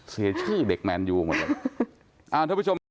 เสียชื่อเด็กแมนอยู่หมดเลย